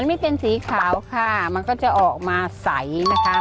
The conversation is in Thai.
นี่เป็นสีขาวค่ะมันก็จะออกมาใสนะคะ